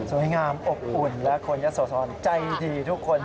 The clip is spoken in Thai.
งามอบอุ่นและคนยะโสธรใจดีทุกคน